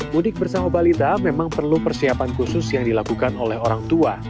mudik bersama balita memang perlu persiapan khusus yang dilakukan oleh orang tua